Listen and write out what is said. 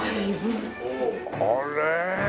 あれ。